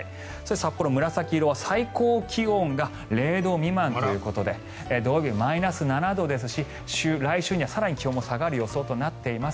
札幌、紫色は最高気温が０度未満ということで土曜日マイナス７度ですし来週には更に気温も下がる予想となっています。